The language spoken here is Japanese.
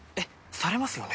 されますよね？